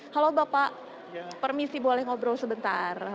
halo bapak permisi boleh ngobrol sebentar